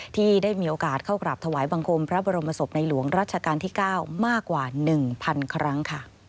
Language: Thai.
ที่ได้มีโอกาสเข้ากราบถวายบังคมพระบรมศพในหลวงรัชกาลที่๙มากกว่า๑๐๐๐ครั้ง